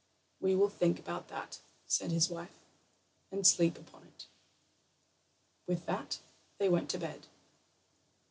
"We will think about that," said his wife, "and sleep upon it." With that they went to bed.